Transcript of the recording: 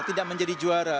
tidak menjadi juara